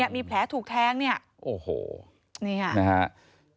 มีแผลถูกแท้งเนี่ย